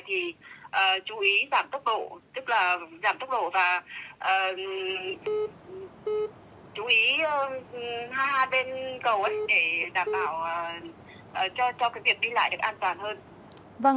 thì chú ý giảm tốc độ và chú ý hai bên cầu để giảm bảo cho việc đi lại được an toàn hơn